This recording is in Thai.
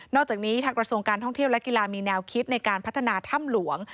อกจากนี้ทางกระทรวงการท่องเที่ยวและกีฬามีแนวคิดในการพัฒนาถ้ำหลวง